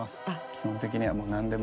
基本的にはもうなんでも。